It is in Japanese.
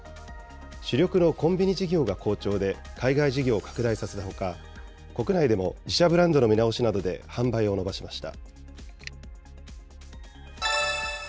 主力のコンビニ事業が好調で、海外事業を拡大させたほか、国内でも自社ブランドの見直しなどで販売を伸ばしました。